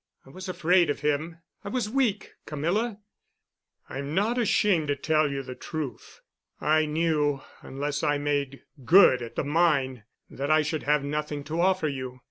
I was afraid of him. I was weak, Camilla. I'm not ashamed to tell you the truth. I knew unless I made good at the mine that I should have nothing to offer you.